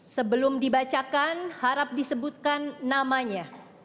sebelum dibacakan harap disebutkan namanya